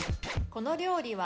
この料理は？